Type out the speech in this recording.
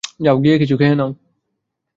যাও গিয়ে কিছু খেয়ে নাও।